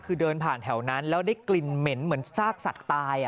คือเดินผ่านแถวนั้นแล้วได้กลิ่นเหม็นเหมือนซากสัตว์ตาย